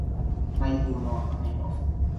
Ma il dono non è nostro.